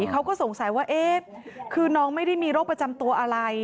เขาก็สงสัยว่าเอ๊ะคือน้องไม่ได้มีโรคประจำตัวอะไร